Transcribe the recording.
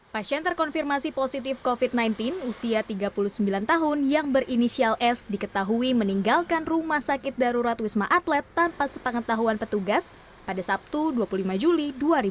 pasien terkonfirmasi positif covid sembilan belas usia tiga puluh sembilan tahun yang berinisial s diketahui meninggalkan rumah sakit darurat wisma atlet tanpa sepengetahuan petugas pada sabtu dua puluh lima juli dua ribu dua puluh